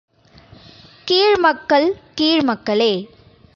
கீழ் மக்கள் கீழ் மக்களே!